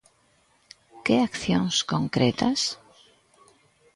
¿Que accións concretas?